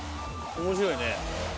面白いね。